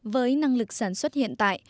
với năng lực sản xuất hiện tại